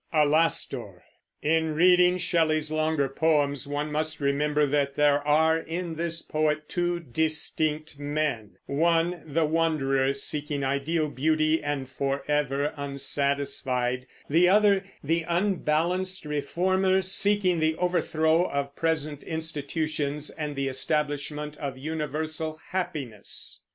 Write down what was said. In reading Shelley's longer poems one must remember that there are in this poet two distinct men: one, the wanderer, seeking ideal beauty and forever unsatisfied; the other, the unbalanced reformer, seeking the overthrow of present institutions and the establishment of universal happiness.